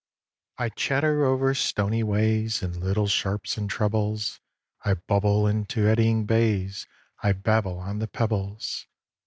I chatter over stony ways, In little sharps and trebles, I bubble into eddying bays, I babble on the pebbles.